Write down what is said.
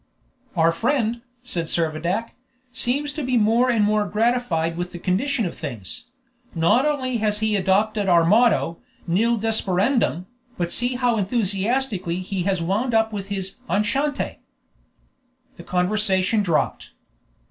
"Our friend," said Servadac, "seems to be more and more gratified with the condition of things; not only has he adopted our motto, 'Nil desperandum!' but see how enthusiastically he has wound up with his 'Enchante!'" The conversation dropped.